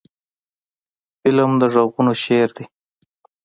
فلم د غږونو شعر دی